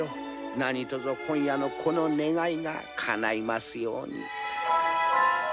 何卒今夜のこの願いがかないますように。